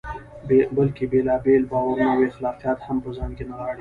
بلکې بېلابېل باورونه او اخلاقیات هم په ځان کې نغاړي.